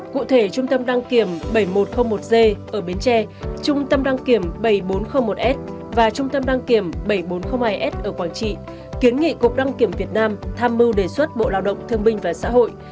cụ thể trung tâm đăng kiểm bảy nghìn một trăm linh một g ở bến tre trung tâm đăng kiểm bảy nghìn bốn trăm linh một s và trung tâm đăng kiểm bảy nghìn bốn trăm linh hai s ở quảng trị kiến nghị cục đăng kiểm việt nam tham mưu đề xuất bộ lao động thương binh và xã hội